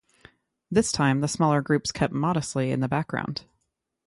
This time the smaller groups kept modestly in the background.